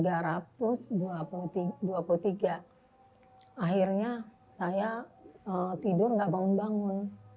akhirnya saya tidur nggak bangun bangun